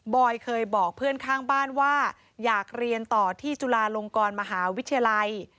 อยเคยบอกเพื่อนข้างบ้านว่าอยากเรียนต่อที่จุฬาลงกรมหาวิทยาลัย